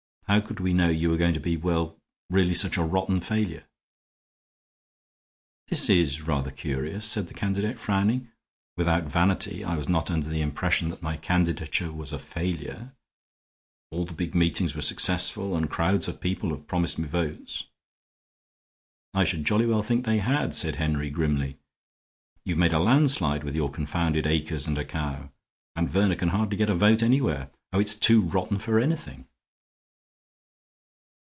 How could we know you were going to be well, really, such a rotten failure?" "This is rather curious," said the candidate, frowning. "Without vanity, I was not under the impression that my candidature was a failure. All the big meetings were successful and crowds of people have promised me votes." "I should jolly well think they had," said Henry, grimly. "You've made a landslide with your confounded acres and a cow, and Verner can hardly get a vote anywhere. Oh, it's too rotten for anything!"